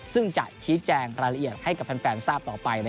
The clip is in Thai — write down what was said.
ซึ่งจะชี้แจงรายละเอียดให้กับแฟนทราบต่อไป